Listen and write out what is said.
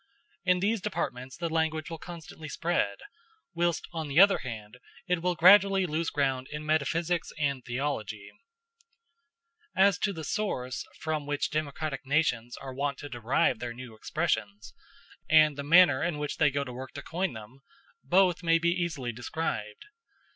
In these departments the language will constantly spread, whilst on the other hand it will gradually lose ground in metaphysics and theology. As to the source from which democratic nations are wont to derive their new expressions, and the manner in which they go to work to coin them, both may easily be described.